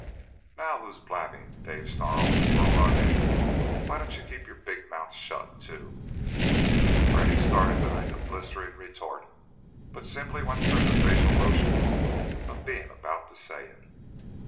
"Now who's blabbing?" Dave snarled, and whirled on him. "Why don't you keep your big mouth shut, too?" Freddy started to make a blistering retort but simply went through the facial motions of being about to say it.